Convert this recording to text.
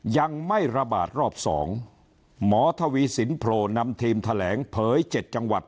ยังไม่ระบาดรอบสองหมอทวีสินโผล่นำทีมแถลงเผย๗จังหวัด